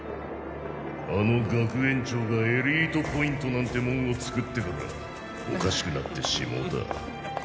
あの学園長がエリートポイントなんてもんを作ってからおかしくなってしもうた。